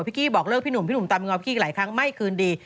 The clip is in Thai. กี้บอกเลิกพี่หนุ่มพี่หนุ่มตามง้อพี่หลายครั้งไม่คืนดี